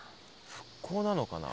復興なのかな？